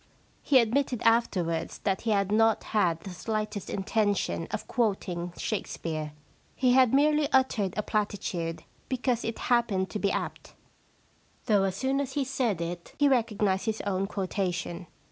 He admitted afterwards that he had not had the slightest intention of quoting Shakespeare. He had merely uttered a platitude because it happened to be apt, though as soon as he said it he recognised his own quotation.